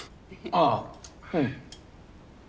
あぁうん。